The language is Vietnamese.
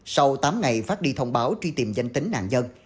sau tám ngày phát đi thông báo truy tìm danh tính nạn nhân